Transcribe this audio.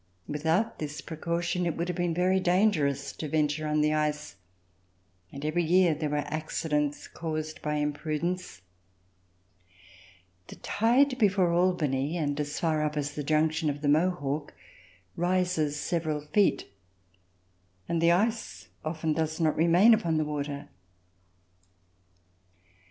Without this precaution, it would have been very dangerous to venture on the ice, and every yeai there were accidents caused by imprudence. The tide before Albany and as far up as the junction of the Mohawk rises several feet and the ice often does not remain upon the water.